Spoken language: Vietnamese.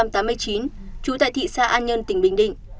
trú tại thị xa an nhân tỉnh bình định